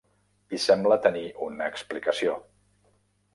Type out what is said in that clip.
I sembla tenir una explicació.